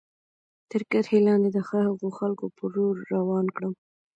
تر کرښې لاندې د هغو خلکو په لور روان کړم.